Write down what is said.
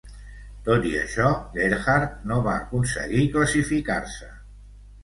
Tot i això, Gerhart no va aconseguir classificar-se.